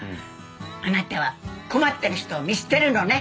あなたは困ってる人を見捨てるのね！